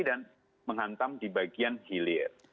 dan menghantam di bagian hilir